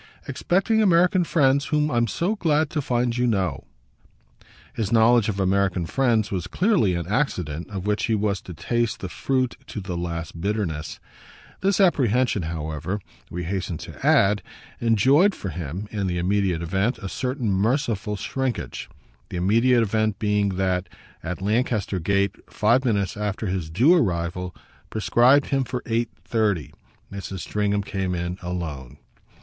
"Expecting American friends whom I'm so glad to find you know!" His knowledge of American friends was clearly an accident of which he was to taste the fruit to the last bitterness. This apprehension, however, we hasten to add, enjoyed for him, in the immediate event, a certain merciful shrinkage; the immediate event being that, at Lancaster Gate, five minutes after his due arrival, prescribed him for eight thirty, Mrs. Stringham came in alone.